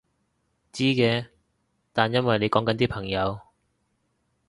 知嘅，但因為你講緊啲朋友